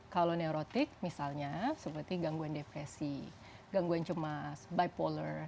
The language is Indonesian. kalau neurotik misalnya seperti gangguan depresi gangguan cemas bipolar